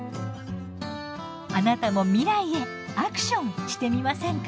あなたも未来へ「アクション」してみませんか？